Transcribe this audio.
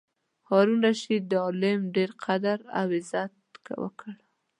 هارون الرشید د عالم ډېر قدر او عزت وکړ.